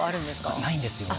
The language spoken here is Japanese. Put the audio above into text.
ないんですよ。